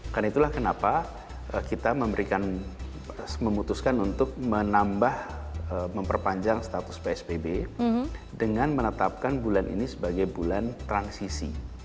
karena itulah kenapa kita memberikan memutuskan untuk menambah memperpanjang status psbb dengan menetapkan bulan ini sebagai bulan transisi